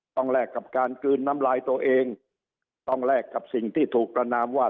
แลกกับการกลืนน้ำลายตัวเองต้องแลกกับสิ่งที่ถูกประนามว่า